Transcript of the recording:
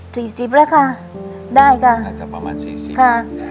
สี่สิบละค่ะได้ค่ะอาจจะประมาณสี่สิบค่ะ